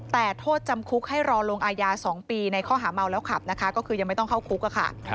แต่โทษจำคุกให้รอลงอาญา๒ปีในข้อหาเมาแล้วขับนะคะก็คือยังไม่ต้องเข้าคุกค่ะ